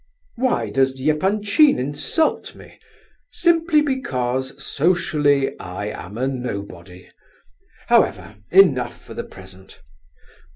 Why does Epanchin insult me? Simply because, socially, I am a nobody. However, enough for the present.